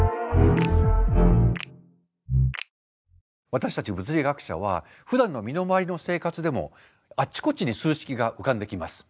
私たち物理学者はふだんの身の回りの生活でもあっちこっちに数式が浮かんできます。